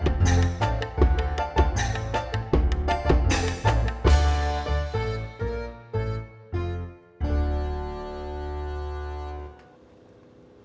ya udah aku tunggu